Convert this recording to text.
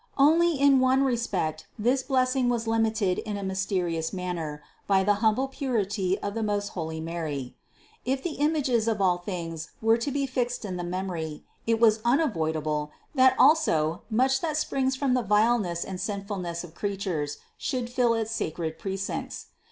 538. Only in one respect this blessing was limited in a mysterious manner by the humble purity of the most holy Mary : if the images of all things were to be fixed in the memory, it was unavoidable, that also much that springs from the vileness and sinfulness of creatures, should fill its sacred precincts.